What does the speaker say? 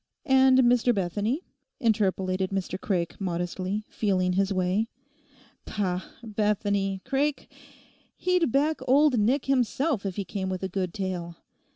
'And Mr Bethany?' interpolated Mr Craik modestly, feeling his way. 'Pah, Bethany, Craik! He'd back Old Nick himself if he came with a good tale.